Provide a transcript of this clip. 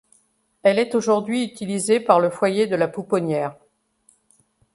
Elle est aujourd'hui utilisée par le foyer de la Pouponnière.